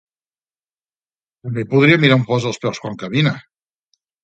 —També podria mirar on posa els peus quan camina!